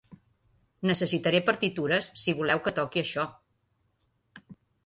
Necessitaré partitures si voleu que toqui això.